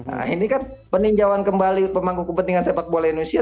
nah ini kan peninjauan kembali pemangku kepentingan sepak bola indonesia